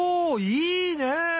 いいね！